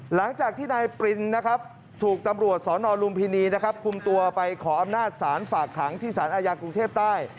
หลังจากที่นายปรินนะครับถูกตำรวจสนลุมพินีนะครับคุมตัวไปขออำนาจศาลฝากขังที่สารอาญากรุงเทพใต้